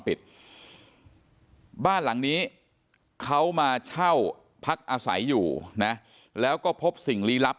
ปิดบ้านหลังนี้เขามาเช่าพักอาศัยอยู่นะแล้วก็พบสิ่งลี้ลับ